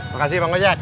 makasih bang ojak